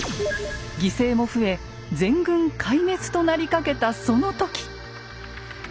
犠牲も増え全軍壊滅となりかけたその時。